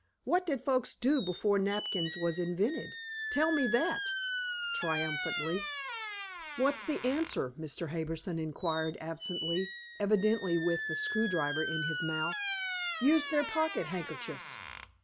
What did folks do before napkins was invented? Tell me that!" triumphantly. "What's the answer?" Mr. Harbison inquired absently, evidently with the screw driver in his mouth. "Used their pocket handkerchiefs!